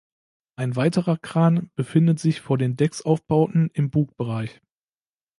Ein weiterer Kran befindet sich vor den Decksaufbauten im Bugbereich.